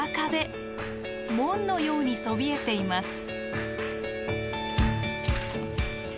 門のようにそびえています。